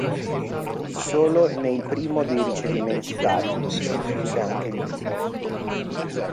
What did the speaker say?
Solo nei primo dei ricevimenti dati vi si incluse anche il vino.